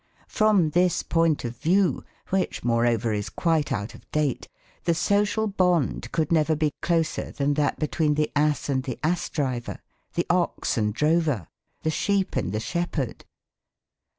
From this point of view, which, moreover, is quite out of date, the social bond could never be closer than that between the ass and the ass driver, the ox and drover, the sheep and the shepherd.